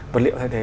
vật liệu thay thế